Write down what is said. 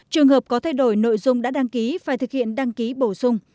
trường hợp có thay đổi nội dung đã đăng ký phải thực hiện đăng ký bổ sung